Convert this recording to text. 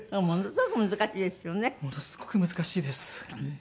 ものすごく難しいです。